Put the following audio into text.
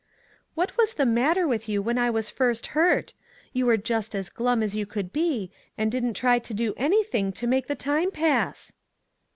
" What was the matter with you when I was first hurt ? You were just as glum as you could be, and didn't try to do anything to make the time pass."